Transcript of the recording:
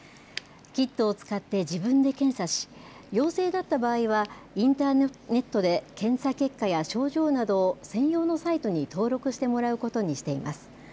キットを使って自分で検査し陽性だった場合はインターネットで検査結果や症状などを専用のサイトに登録してもらうことにしています。